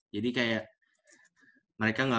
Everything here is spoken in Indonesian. jadi kayak mereka gak